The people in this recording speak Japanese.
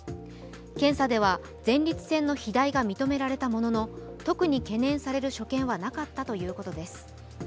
検査では前立腺の肥大が認められたものの特に懸念される所見はなかったということです。